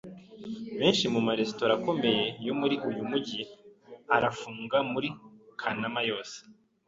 Benshi mu maresitora akomeye yo muri uyu mujyi arafunga muri Kanama yose.